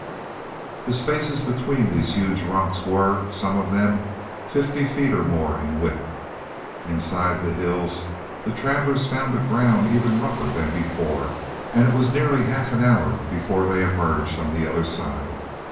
The spaces between these huge rocks were, some of them, fifty feet or more in width. Inside the hills the travelers found the ground even rougher than before, and it was nearly half an hour before they emerged on the other side.